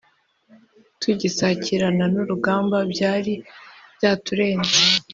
Tugisakirana n'urugamba byari byaturenze